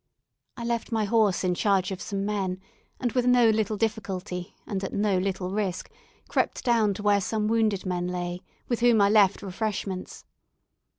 I left my horse in charge of some men, and with no little difficulty, and at no little risk, crept down to where some wounded men lay, with whom I left refreshments.